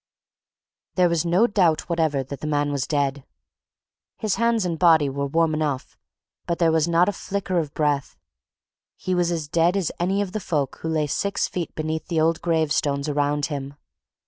There was no doubt whatever that the man was dead. His hands and body were warm enough but there was not a flicker of breath; he was as dead as any of the folk who lay six feet beneath the old gravestones around him.